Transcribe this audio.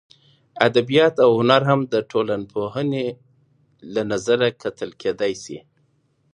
ادبیات او هنر هم د ټولنپوهنې له نظره کتل کېدای سي.